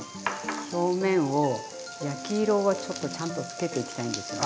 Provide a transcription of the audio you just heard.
表面を焼き色をちょっとちゃんとつけていきたいんですよね。